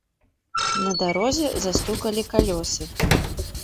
На дарозе застукалі калёсы.